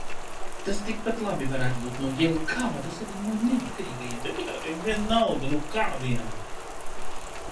Tas tikpat labi varētu būt no jelkādas, arī no neatkarīgajiem deputātiem, vienalga, no kādiem.